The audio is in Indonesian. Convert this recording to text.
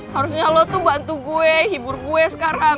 harusnya lo tuh bantu gue hibur gue sekarang